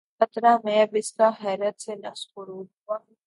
قطرہٴ مے بسکہ حیرت سے نفس پرور ہوا